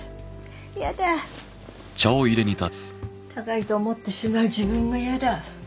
やだ高いと思ってしまう自分がやだ